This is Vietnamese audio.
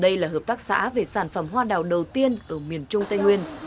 đây là hợp tác xã về sản phẩm hoa đào đầu tiên ở miền trung tây nguyên